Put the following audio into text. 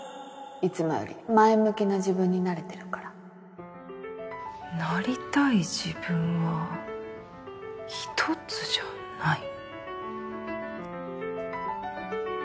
いつもより前向きな自分になれてるからなりたい自分は一つじゃない。